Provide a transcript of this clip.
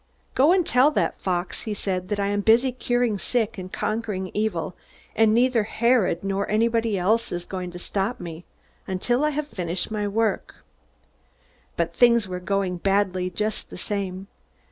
"Go and tell that fox," he said, "that I am busy curing the sick and conquering evil, and neither Herod nor anybody else is going to stop me until I have finished my work!" But things were going badly, just the same.